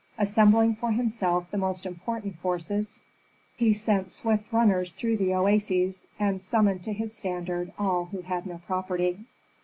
Assembling for himself the most important forces, he sent swift runners through the oases and summoned to his standard all who had no property.